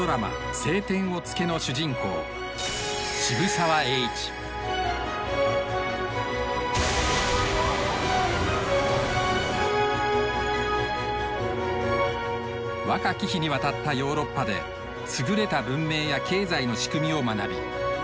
「青天を衝け」の主人公若き日に渡ったヨーロッパで優れた文明や経済の仕組みを学び。